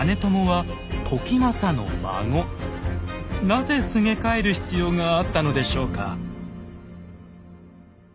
なぜすげ替える必要があったのでしょうか。